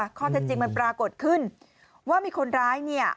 ข้อเท็จจริงมันปรากฏขึ้นว่ามีคนร้ายเนี่ย